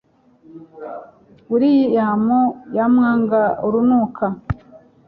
william yamwanga urunuka